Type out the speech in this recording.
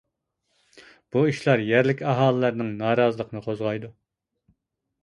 بۇ ئىشلار يەرلىك ئاھالىلەرنىڭ نارازىلىقىنى قوزغايدۇ.